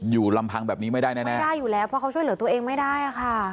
ลำพังแบบนี้ไม่ได้แน่ไม่ได้อยู่แล้วเพราะเขาช่วยเหลือตัวเองไม่ได้ค่ะ